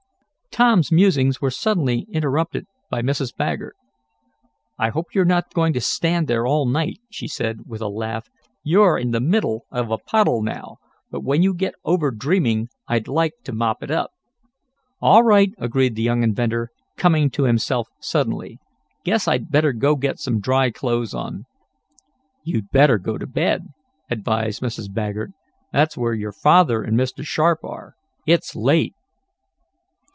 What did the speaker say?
Tom's musings were suddenly interrupted by Mrs. Baggert. "I hope you're not going to stand there all night," she said, with a laugh. "You're in the middle of a puddle now, but when you get over dreaming I'd like to mop it up." "All right," agreed the young inventor, coming to himself suddenly. "Guess I'd better go get some dry clothes on." "You'd better go to bed," advised Mrs. Baggert. "That's where your father and Mr. Sharp are. It's late."